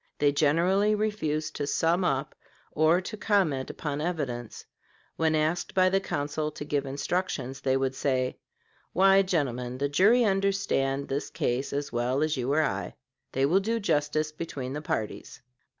They generally refused to sum up, or to comment upon evidence; when asked by the counsel to give instructions they would say, "Why, gentlemen, the jury understand this case as well as you or I. They will do justice between the parties."